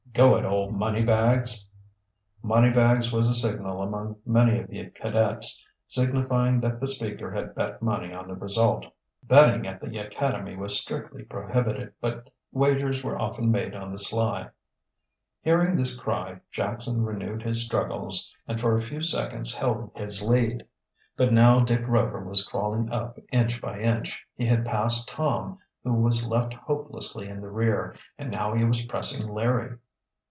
"Go it, old Moneybags!" "Moneybags" was a signal among many of the cadets, signifying that the speaker had bet money on the result. Betting at the academy was strictly prohibited, but wagers were often made on the sly. Hearing this cry, Jackson renewed his struggles and for a few seconds held his lead. But now Dick Rover was crawling up inch by inch. He had passed Tom, who was left hopelessly in the rear, and now he was pressing Larry.